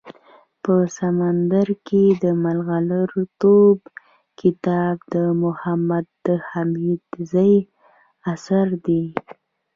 په سمندر کي دملغلرولټون کتاب دمحمودحميدزي اثر دئ